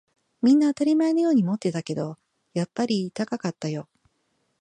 みんな当たり前のように持ってたけど、やっぱり高かったよ